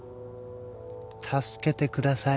「助けてください」